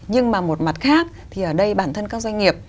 nhưng mà một mặt khác thì ở đây bản thân các doanh nghiệp